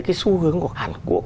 cái xu hướng của hàn quốc